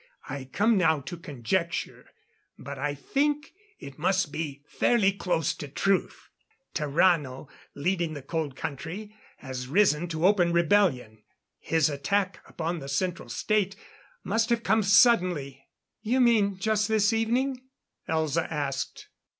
"I come now to conjecture but I think it must be fairly close to truth. Tarrano, leading the Cold Country, has risen to open rebellion. His attack upon the Central State must have come suddenly " "You mean, just this evening?" Elza asked.